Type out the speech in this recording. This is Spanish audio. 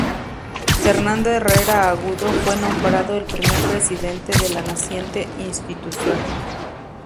Fernando Herrera Agudo fue nombrado el primer presidente de la naciente institución.